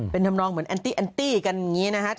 เป็นทำนองเหมือนแอนตี้กันอย่างนี้นะฮะ